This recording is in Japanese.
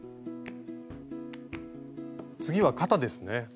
次は肩ですね。